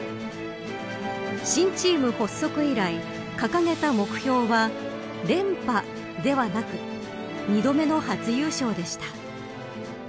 新チーム発足以来掲げた目標は連覇ではなく２度目の初優勝でした。